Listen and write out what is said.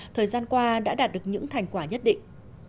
thời gian qua đã đạt được những thành quả nhất định